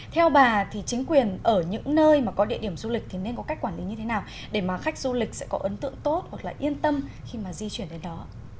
theo bà thì chính quyền ở những nơi mà có địa điểm du lịch thì nên có cách quản lý như thế nào để mà khách du lịch sẽ có ấn tượng tốt hoặc là yên tâm khi mà di chuyển đến đó